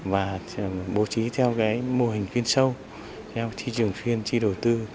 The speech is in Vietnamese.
và bố trí theo mô hình khuyên sâu theo thị trường khuyên chi đầu tư